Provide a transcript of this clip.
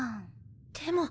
でも。